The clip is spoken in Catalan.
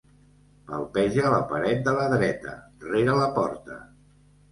Palpeja la paret de la dreta, rere la porta.